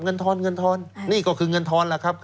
ทอนเงินทอนนี่ก็คือเงินทอนล่ะครับ